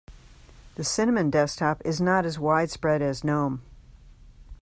The cinnamon desktop is not as widespread as gnome.